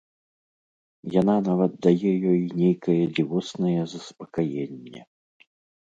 Яна нават дае ёй нейкае дзівоснае заспакаенне.